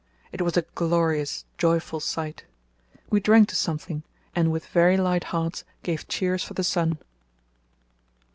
It was a glorious, joyful sight. We drank to something, and with very light hearts gave cheers for the sun.